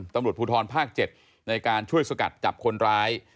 ตำรวจภูทรภาค๗ในการช่วยสกัดจับคนร้าย